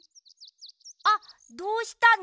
あっどうしたの？